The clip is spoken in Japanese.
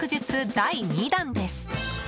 第２弾です。